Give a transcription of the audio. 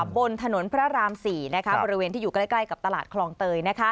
บนถนนพระราม๔บริเวณที่อยู่ใกล้กับตลาดคลองเตย